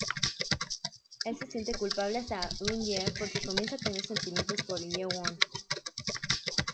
Él se siente culpable hacia Eun-hye, porque comienza a tener sentimientos por Hye-won.